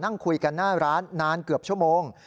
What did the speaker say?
นั่งคุยกันหน้าร้านนานเกือบชั่วโมง